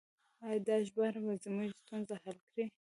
آیا دا ژباړه به زموږ ستونزې حل کړي؟